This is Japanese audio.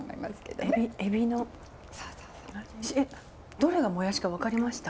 どれがもやしか分かりました？